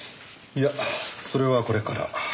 いやそれはこれから。